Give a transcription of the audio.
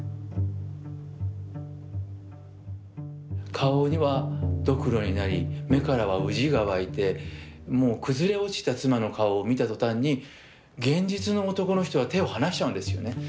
顔はどくろになり目からはウジが湧いてもう崩れ落ちた妻の顔を見た途端に現実の男の人は手を離しちゃうんですよね。